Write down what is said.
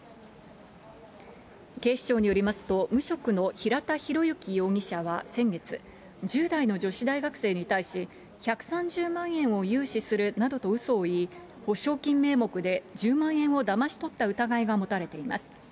警視庁によりますと、無職の平田博之容疑者は先月、１０代の女子大学生に対し、１３０万円を融資するなどとうそを言い、保証金名目で１０万円をだまし取った疑いが持たれています。